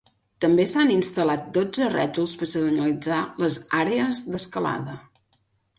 També s'han instal·lat dotze rètols per senyalitzar les àrees d'escalada.